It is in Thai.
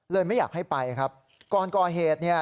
ไม่อยากให้ไปครับก่อนก่อเหตุเนี่ย